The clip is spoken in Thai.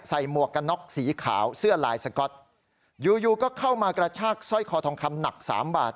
หมวกกันน็อกสีขาวเสื้อลายสก๊อตอยู่อยู่ก็เข้ามากระชากสร้อยคอทองคำหนักสามบาท